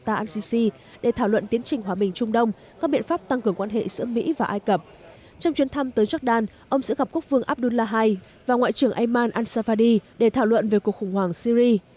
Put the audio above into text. trong chuyến thăm tới jordan ông sẽ gặp quốc phương abdullah ii và ngoại trưởng ayman al safadi để thảo luận về cuộc khủng hoảng syri